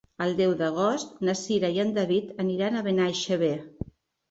El deu d'agost na Cira i en David aniran a Benaixeve.